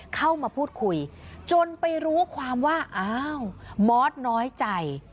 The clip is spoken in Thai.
เข้ามาพูดคุยจนไปรู้ความว่าอ้าวมอสน้อยใจ